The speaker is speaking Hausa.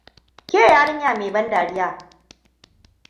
Ke yarinya mai ban dariya.